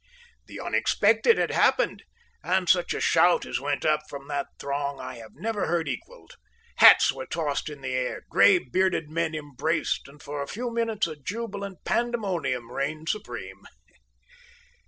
The unexpected had happened, and such a shout as went up from that throng I have never heard equaled. Hats were tossed in the air, gray bearded men embraced, and for a few minutes a jubilant pandemonium reigned supreme.